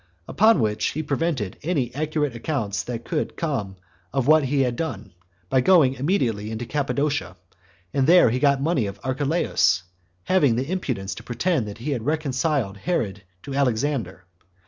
Upon which he prevented any accurate accounts that could come of what he had done, by going immediately into Cappadocia, and there he got money of Archelaus, having the impudence to pretend that he had reconciled Herod to Alexander.